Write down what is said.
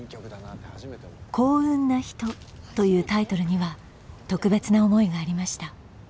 「幸運なひと」というタイトルには特別な思いがありました。